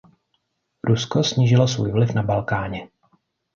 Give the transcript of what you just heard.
Rusko snížilo svůj vliv na Balkáně.